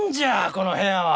この部屋は！